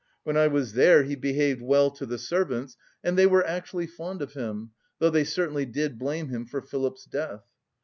When I was there he behaved well to the servants, and they were actually fond of him, though they certainly did blame him for Philip's death."